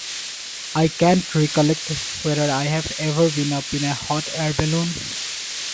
I can't recollect whether I've ever been up in a hot air balloon.